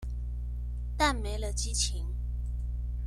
但沒了激情